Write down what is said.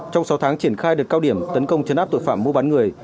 trong sáu tháng triển khai đợt cao điểm tấn công chấn áp tội phạm mua bán người